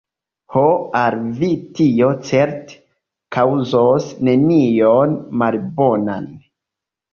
Ho, al vi tio certe kaŭzos nenion malbonan!